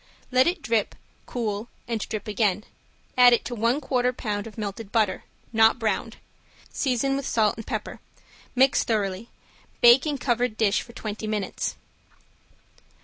Let it drip, cool and drip again. Add it to one quarter pound of melted butter, not browned, season with salt and pepper. Mix thoroughly; bake in covered dish for twenty minutes.